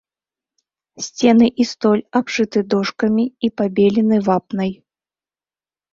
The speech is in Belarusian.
Сцены і столь абшыты дошкамі і пабелены вапнай.